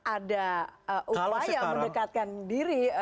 ada upaya mendekatkan diri